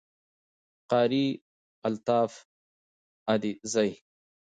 Qari Altaf Adezai